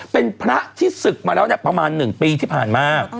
เป็นพระที่ศึกมาแล้วประมาณ๑ปีที่ผ่านมา